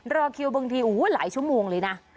รอคิวบางทีหลายชั่วโมงเลยนะ